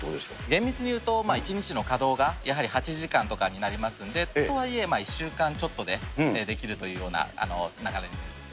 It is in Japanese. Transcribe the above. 厳密にいうと、１日の稼働がやはり８時間とかになりますんで、とはいえ、１週間ちょっとで出来るというような流れです。